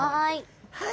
はい。